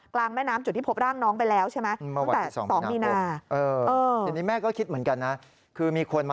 แม่น้ำจุดที่พบร่างน้องไปแล้วใช่ไหม